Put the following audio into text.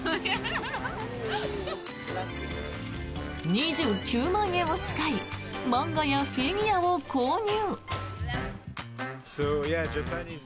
２９万円を使い漫画やフィギュアを購入。